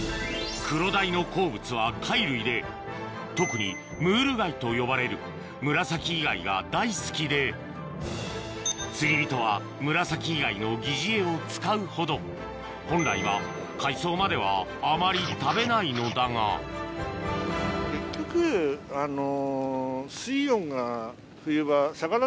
クロダイの好物は貝類で特にムール貝と呼ばれるムラサキイガイが大好きで釣り人はムラサキイガイの疑似餌を使うほど本来は海藻まではあまり食べないのだが結局あの。